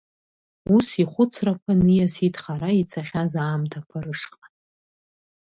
Ус ихәцрақәа ниасит хара ицахьаз аамҭақәа рышҟа.